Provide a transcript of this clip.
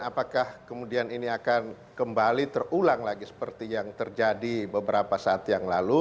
apakah kemudian ini akan kembali terulang lagi seperti yang terjadi beberapa saat yang lalu